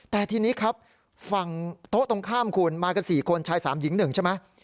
แต่ทีนี้ครับฝั่งโต๊ะตรงข้ามคุณมากัน๔คนชาย๓หญิง๑ใช่ไหม